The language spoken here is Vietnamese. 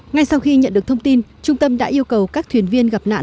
ngay sau khi nhận được thông tin trung tâm đã yêu cầu các thuyền viên gặp nạn